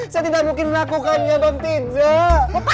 saya tidak mungkin lakukannya bang tidak